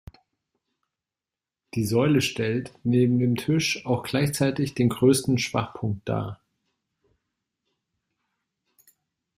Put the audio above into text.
Die Säule stellt, neben dem Tisch, auch gleichzeitig den größten Schwachpunkt dar.